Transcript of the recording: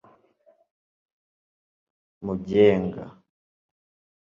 mugenga